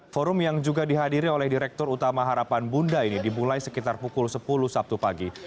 forum yang juga dihadiri oleh direktur utama harapan bunda ini dimulai sekitar pukul sepuluh sabtu pagi